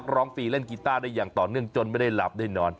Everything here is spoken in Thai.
ร้องฟรีเล่นกีต้าได้อย่างต่อเนื่องจนไม่ได้หลับได้นอน